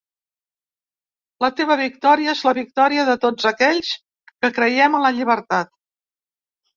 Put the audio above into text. La teva victòria és la victòria de tots aquells que creiem en la llibertat.